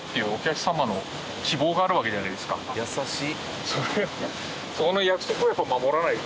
優しい。